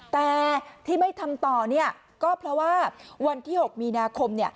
แต่ที่ไม่ทำต่อก็เพราะว่าวันที่๖มีนาคม